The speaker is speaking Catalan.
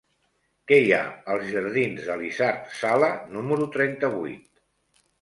Què hi ha als jardins d'Elisard Sala número trenta-vuit?